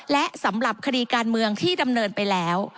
และสำหรับคดีการเมืองที่ดำเนินไปแล้ว